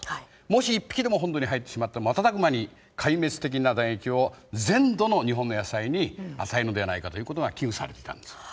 もし１匹でも本土に入ってしまったら瞬く間に壊滅的な打撃を全土の日本の野菜に与えるのではないかということが危惧されてたんですよ。